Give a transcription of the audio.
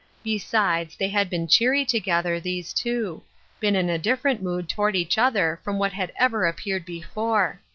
Besides, they had been cheery together, these two — been in a different mood toward each other from what had ever appeared before.